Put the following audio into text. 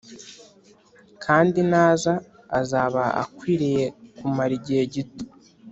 , kandi naza azaba akwiriye kumara igihe gito.